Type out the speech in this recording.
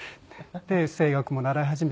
で声楽も習い始めて。